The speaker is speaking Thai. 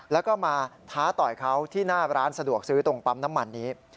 แล้วก็มาท้าต่อยเขาที่หน้าร้านสะดวกซื้อตรงปั๊มน้ำมันนี้